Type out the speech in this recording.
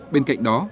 bên cạnh đó